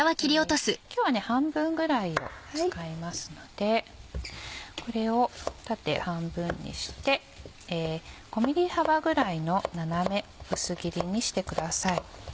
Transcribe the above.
今日は半分ぐらいを使いますのでこれを縦半分にして５ｍｍ幅ぐらいの斜め薄切りにしてください。